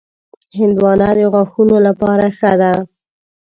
هندوانه د غاښونو لپاره ښه ده.